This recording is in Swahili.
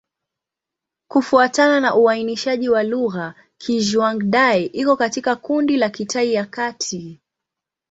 Kufuatana na uainishaji wa lugha, Kizhuang-Dai iko katika kundi la Kitai ya Kati.